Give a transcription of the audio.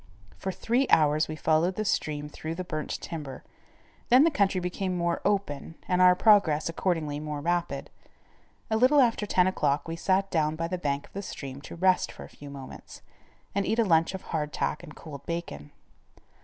For three hours we followed the stream through the burnt timber, then the country became more open and our progress, accordingly, more rapid. A little after ten o'clock we sat down by the bank of the stream to rest for a few moments, and eat a lunch of hard tack and cold bacon.